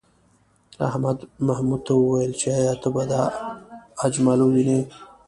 احمد محمود ته وویل چې ایا ته به اجمل ووینې؟